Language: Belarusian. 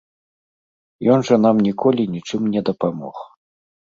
Ён жа нам ніколі нічым не дапамог.